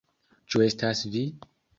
Ĉu estas vi?